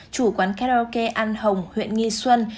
chủ quán karaoke an hồng huyện nghi xuân